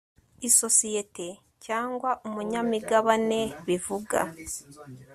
isosiyete cyangwa umunyamigabane bivuga